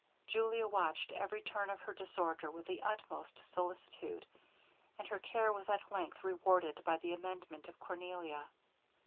Julia watched every turn of her disorder with the utmost solicitude, and her care was at length rewarded by the amendment of Cornelia.